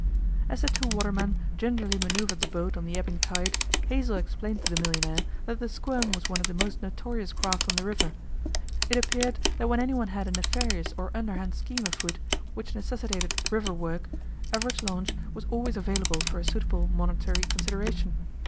As the two watermen gingerly manoeuvred the boat on the ebbing tide, Hazell explained to the millionaire that the 'Squirm' was one of the most notorious craft on the river. It appeared that when anyone had a nefarious or underhand scheme afoot which necessitated river work Everett's launch was always available for a suitable monetary consideration.